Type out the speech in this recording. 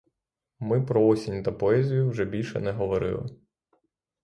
Ми про осінь та поезію вже більше не говорили.